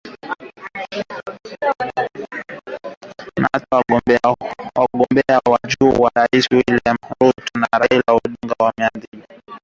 Na hata wagombea wa juu wa urais William Ruto na Raila Odinga wameahidi amani.